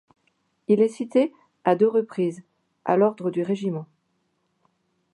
Il est cité, à deux reprises, à l'ordre du régiment.